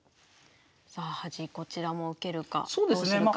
さあ端こちらも受けるかそうですね。